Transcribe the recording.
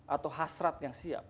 atau hasrat yang siap